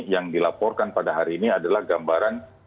yang dilaporkan pada hari ini adalah gambaran